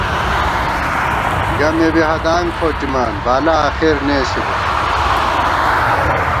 گمے بی ہدانگ فوٹِمان ، بالہ آخر نېسِبہ